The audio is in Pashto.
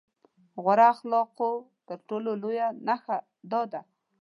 غوره اخلاقو تر ټولو لويه نښه دا ده.